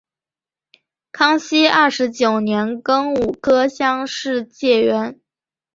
康熙二十九年庚午科乡试解元。